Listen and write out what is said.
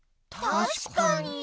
たしかに。